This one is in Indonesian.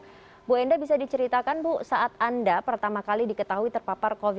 ibu enda bisa diceritakan bu saat anda pertama kali diketahui terpapar covid sembilan belas